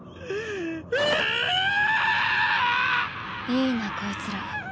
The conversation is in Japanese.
いいなこいつら。